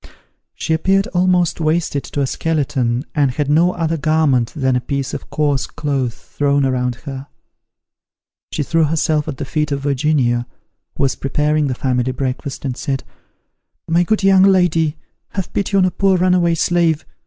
She appeared almost wasted to a skeleton, and had no other garment than a piece of coarse cloth thrown around her. She threw herself at the feet of Virginia, who was preparing the family breakfast, and said, "My good young lady, have pity on a poor runaway slave.